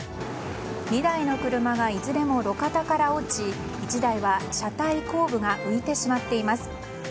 ２台の車がいずれも路肩から落ち１台は車体後部が浮いてしまっています。